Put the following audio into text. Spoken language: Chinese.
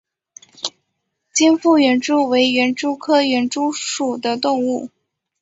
尖腹园蛛为园蛛科园蛛属的动物。